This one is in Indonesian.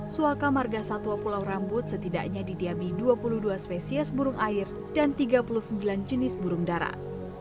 suaka marga satwa pulau rambut setidaknya didiami dua puluh dua spesies burung air dan tiga puluh sembilan jenis burung darat